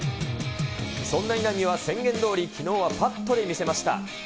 そんな稲見は、宣言どおりきのうはパットで見せました。